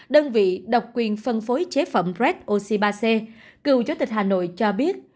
đơn vị độc quyền phân phối chế phẩm red oxy ba c cựu chủ tịch hà nội cho biết